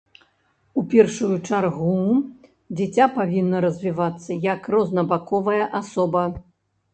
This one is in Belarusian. У першую чаргу, дзіця павінна развівацца як рознабаковая асоба.